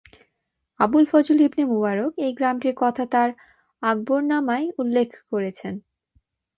আবুল ফজল ইবনে মুবারক এই গ্রামটির কথা তার "আকবরনামায়" উল্লেখ করেছেন।